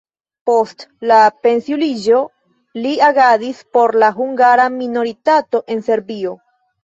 Post la pensiuliĝo li agadis por la hungara minoritato en Serbio.